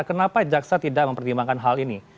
kenapa jaksa tidak mempertimbangkan hal ini